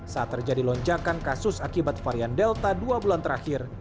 saat terjadi lonjakan kasus akibat varian delta dua bulan terakhir